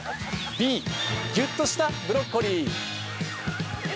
Ｂ、ギュッとしたブロッコリー。